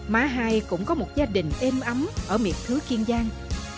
má hai cũng có một gia đình êm ấm ở miệt thứ kiên giang